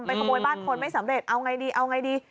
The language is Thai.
ขโมยบ้านคนไม่สำเร็จเอาไงดีเอาไงดี